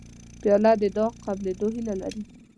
پیاله د دعا قبولېدو هیله لري